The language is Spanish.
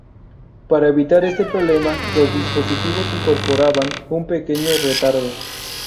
Para evitar este problema los dispositivos incorporaban un pequeño retardo.